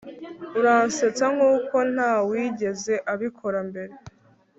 uransetsa nkuko ntawigeze abikora mbere